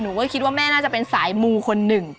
หนูก็คิดว่าแม่น่าจะเป็นสายมูคนหนึ่ง